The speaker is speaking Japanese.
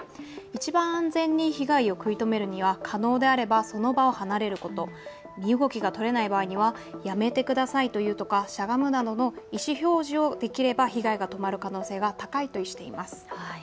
いちばん安全に被害を食い止めるには可能であればその場離れること、身動きが取れない場合には、やめてくださいと言うとかしゃがむなどの意思表示をできれば被害が止まる可能性が高いとしています。